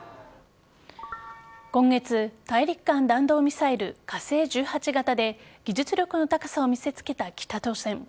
今月大陸間弾道ミサイル火星１８型で技術力の高さを見せつけた北朝鮮。